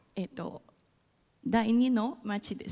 第２の町です。